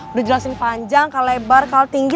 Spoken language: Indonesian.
udah jelasin panjang kali lebar kali tinggi